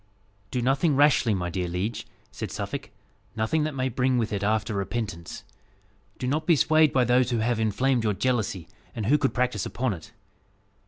"Do nothing rashly, my dear liege," said Suffolk; "nothing that may bring with it after repentance. Do not be swayed by those who have inflamed your jealousy, and who could practise upon it.